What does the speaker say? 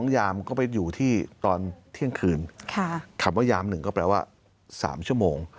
ยามก็ไปอยู่ที่ตอนเที่ยงคืนคำว่ายามหนึ่งก็แปลว่า๓ชั่วโมง